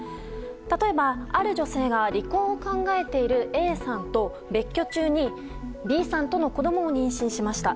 例えば、ある女性が離婚を考えているＡさんと別居中にＢさんとの子供を妊娠しました。